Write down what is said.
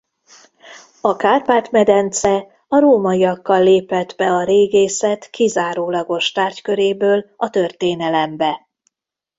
A Kárpát-medence a rómaiakkal lépett be a régészet kizárólagos tárgyköréből a történelembe.